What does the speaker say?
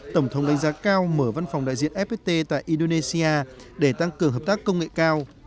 tổng thống đánh giá cao mở văn phòng đại diện fpt tại indonesia để tăng cường hợp tác công nghệ cao